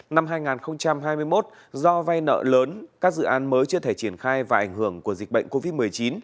năm hai nghìn hai mươi một do vay nợ lớn các dự án mới chưa thể triển khai và ảnh hưởng của dịch bệnh covid một mươi chín